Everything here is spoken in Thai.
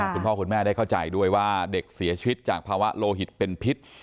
คุณพ่อคุณแม่ได้เข้าใจด้วยว่าเด็กเสียชีวิตจากภาวะโลหิตเป็นพิษ